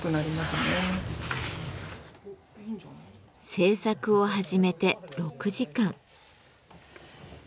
制作を始めて６時間。